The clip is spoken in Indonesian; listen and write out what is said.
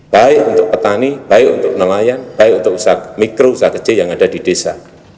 baik untuk petani baik untuk nelayan baik untuk usaha mikro usaha kecil yang ada di desa